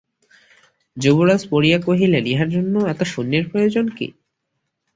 যুবরাজ পড়িয়া কহিলেন, ইহার জন্য এত সৈন্যের প্রয়োজন কী?